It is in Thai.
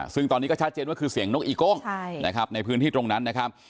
ซึ่งตอนนี้ก็ชัดเจนว่าคือเสียงนกอีโก้งในพื้นที่ตรงนั้น